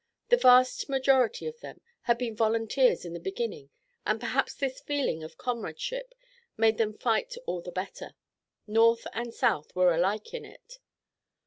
The vast majority of them had been volunteers in the beginning and perhaps this feeling of comradeship made them fight all the better. North and South were alike in it.